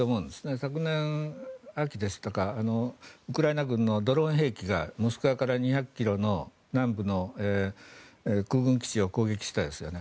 昨年秋ですとかウクライナ軍のドローン兵器がモスクワから２００ｋｍの南部の空軍基地を攻撃してましたよね。